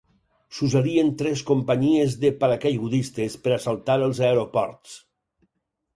S'usarien tres companyies de paracaigudistes per assaltar els aeroports.